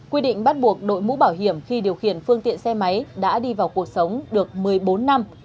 quy định bắt buộc đội mũ bảo hiểm khi điều khiển phương tiện xe máy đã đi vào cuộc sống được một mươi bốn năm